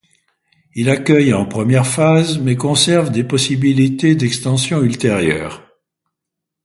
Il accueille en première phase mais conserve des possibilités d'extension ultérieure.